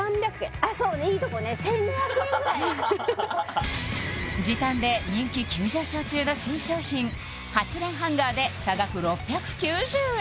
あそういいとこね１２００円ぐらい時短で人気急上昇中の新商品８連ハンガーで差額６９０円